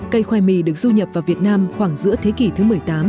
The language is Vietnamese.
cây khoai mì được du nhập vào việt nam khoảng giữa thế kỷ thứ một mươi tám